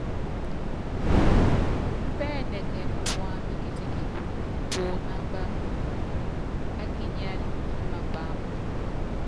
Pɛ́ɛnɛkɛn puand kitikit pú inámb á kinyál kí mapáam.